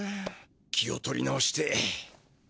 気を取り直して。